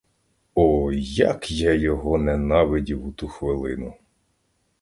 О, як я його ненавидів у ту хвилину!